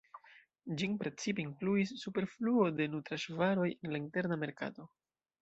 Ĝin precipe influis superfluo de nutraĵvaroj en la interna merkato.